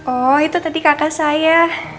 oh itu tadi kakak saya